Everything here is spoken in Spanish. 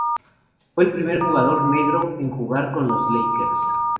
Fue el primer jugador negro en jugar con los Lakers.